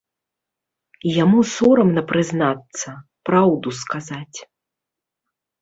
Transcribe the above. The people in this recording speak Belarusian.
Яму сорамна прызнацца, праўду сказаць.